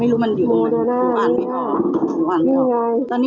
ไม่รู้มันอยู่หนูอ่านไม่ออก